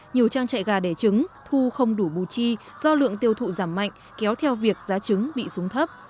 nhiều trang trại gà đẻ trứng thu không đủ bù chi do lượng tiêu thụ giảm mạnh kéo theo việc giá trứng bị súng thấp